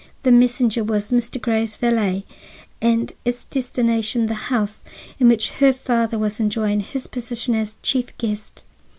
The messenger was Mr. Grey's valet, and its destination the house in which her father was enjoying his position as chief guest.